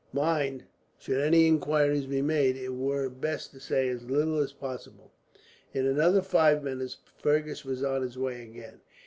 Mind should any inquiries be made, it were best to say as little as possible." In another five minutes, Fergus was on his way again.